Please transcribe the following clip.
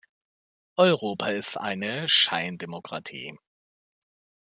Europa ist eine Scheindemokratie.